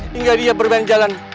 hingga dia berbentang jalan